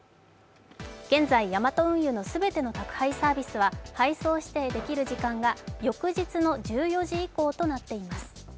現在、ヤマト運輸の全ての宅配サービスは配送指定できる時間が翌日の１４時以降となっています。